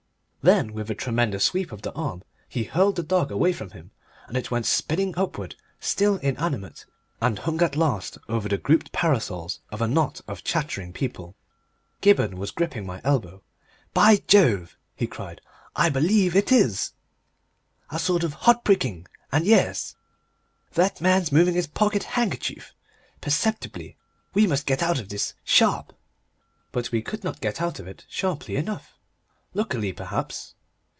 Then with a tremendous sweep of the arm he hurled the dog away from him and it went spinning upward, still inanimate, and hung at last over the grouped parasols of a knot of chattering people. Gibberne was gripping my elbow. "By Jove!" he cried. "I believe it is! A sort of hot pricking and yes. That man's moving his pocket handkerchief! Perceptibly. We must get out of this sharp." But we could not get out of it sharply enough. Luckily, perhaps!